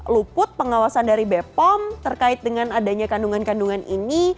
luput pengawasan dari bepom terkait dengan adanya kandungan kandungan ini